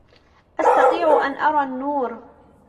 أستطيع أن أرى النور.